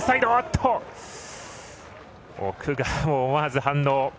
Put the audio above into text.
奥川も思わず反応。